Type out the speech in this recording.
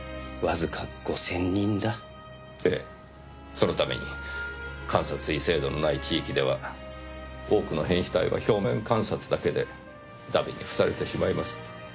そのために監察医制度のない地域では多くの変死体は表面観察だけで荼毘に付されてしまいます。